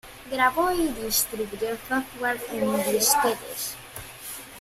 Grabó y distribuyó software en disquetes.